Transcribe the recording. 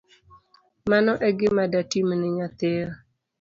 Mano egima datimni nyathiwa